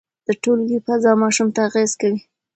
د ټولګي فضا ماشوم ته اغېز کوي.